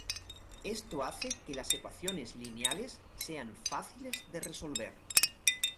Esto hace que las ecuaciones lineales sean fáciles de resolver.